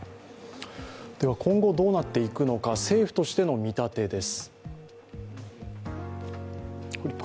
今後どうなっていくのか、政府としての見立てです。